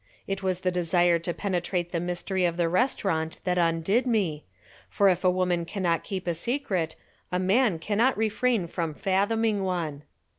It was the desire to penetrate the mystery of the restaurant that undid me, for if a woman cannot keep a secret, a man cannot refrain from fathoming one.